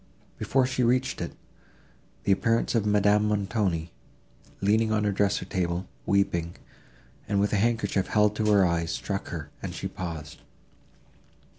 Before she reached it, the appearance of Madame Montoni, leaning on her dressing table, weeping, and with a handkerchief held to her eyes, struck her, and she paused.